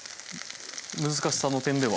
難しさの点では？